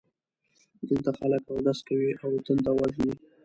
دلته خلک اودس کوي او تنده وژني.